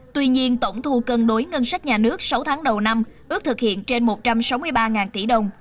tuy nhiên tổng thu cân đối ngân sách nhà nước sáu tháng đầu năm ước thực hiện trên một trăm sáu mươi ba tỷ đồng